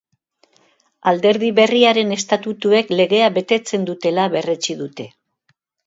Alderdi berriaren estatutuek legea betetzen dutela berretsi dute.